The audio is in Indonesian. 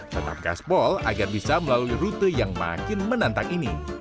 tetap gaspol agar bisa melalui rute yang makin menantang ini